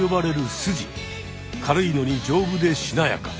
軽いのにじょうぶでしなやか！